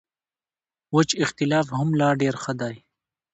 وچ اختلاف هم لا ډېر ښه دی.